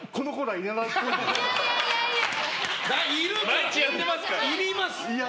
いります！